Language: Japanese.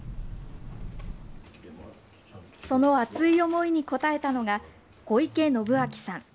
その熱い思いに応えたのが、小池伸秋さん。